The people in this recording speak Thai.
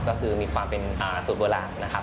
ก็คือมีความเป็นสูตรโบราณนะครับ